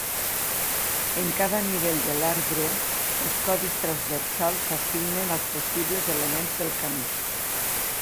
En cada nivell de l'arbre, els codis transversals s'assignen als possibles elements del camí.